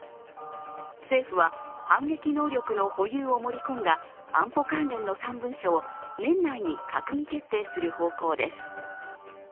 政府は反撃能力の保有を盛り込んだ安保関連の３文書を年内に閣議決定する方向です。